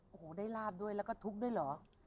โอ้โหได้ลาบด้วยแล้วก็ทุกข์ด้วยเหรอ